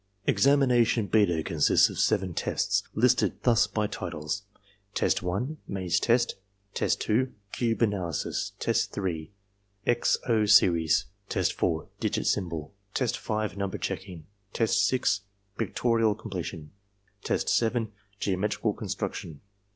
Examination beta consists of seven tests, listed thus by title: test 1, maze test; test 2, cube analysis; test 3, X 0 series; test 4, digit symbol; test 5, number checking; test 6, pictorial completion; test 7, geometrical construction.